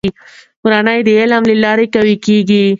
کورنۍ د علم له لارې قوي کېږي.